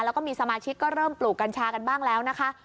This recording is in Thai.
แล้วก็มีสมาชิกก็เริ่มปลูกกัญชากันบ้างแล้วนะคะ